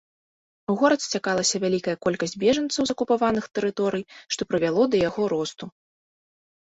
У горад сцякалася вялікая колькасць бежанцаў з акупаваных тэрыторый, што прывяло да яго росту.